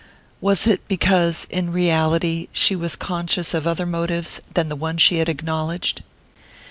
Was it because, in reality, she was conscious of other motives than the one she acknowledged?